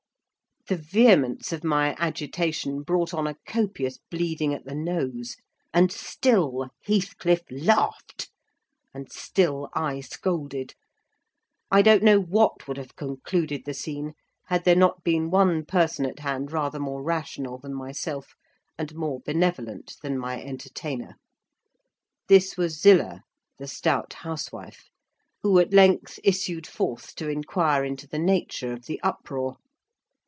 The vehemence of my agitation brought on a copious bleeding at the nose, and still Heathcliff laughed, and still I scolded. I don't know what would have concluded the scene, had there not been one person at hand rather more rational than myself, and more benevolent than my entertainer. This was Zillah, the stout housewife; who at length issued forth to inquire into the nature of the uproar.